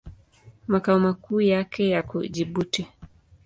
Makao makuu yake yako Jibuti.